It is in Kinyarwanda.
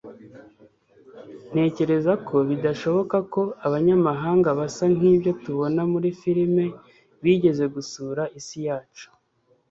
ntekereza ko bidashoboka ko abanyamahanga basa nkibyo tubona muri firime bigeze gusura isi yacu